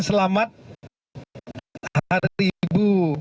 selamat hari ibu